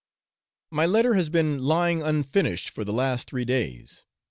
My letter has been lying unfinished for the last three days.